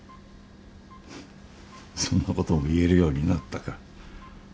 ふっそんなことも言えるようになったか。